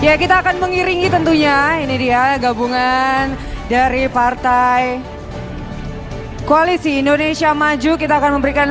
hai ya kita akan mengiringi tentunya ini dia gabungan dari partai koalisi indonesia maju kita akan memberikan